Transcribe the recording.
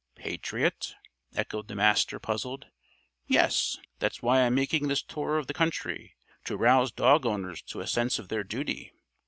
"Patriot?" echoed the Master, puzzled. "Yes. That's why I'm making this tour of the country: to rouse dog owners to a sense of their duty.